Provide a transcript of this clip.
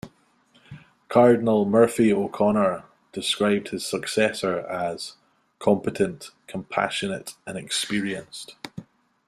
Cardinal Murphy-O'Connor described his successor as competent, compassionate, and experienced.